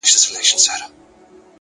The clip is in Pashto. خپل ژوند له موخې سره وتړئ